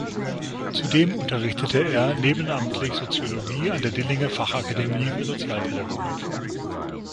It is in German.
Zudem unterrichtete er nebenamtlich Soziologie an der Dillinger Fachakademie für Sozialpädagogik.